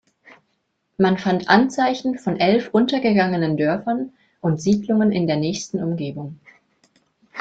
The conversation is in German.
Man fand Anzeichen von elf untergegangenen Dörfern und Siedlungen in der nächsten Umgebung.